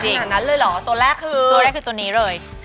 อย่างนั้นเลยเหรอตัวแรกคือตัวแรกคือตัวนี้เลย